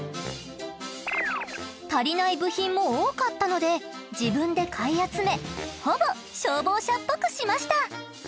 足りない部品も多かったので自分で買い集めほぼ消防車っぽくしました。